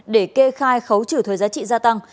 để kê khai khấu trừ thuế giá trị gia tăng